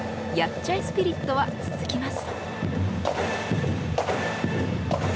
ちゃえスピリットは続きます。